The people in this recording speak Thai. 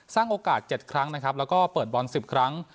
สร้างโอกาส๗ครั้งนะครับแล้วก็เปิดบอล๑๐ครั้ง